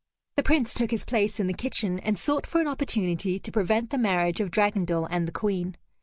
The Prince took his place in the kitchen, and sought for an opportunity to prevent the marriage of Dragondel and the Queen.